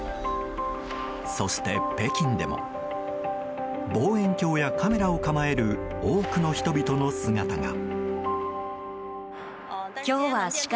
そして、北京でも望遠鏡やカメラを構える多くの人々の姿が。